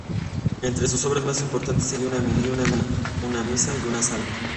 Entre sus obras más importantes hay un miserere, una misa y una salve.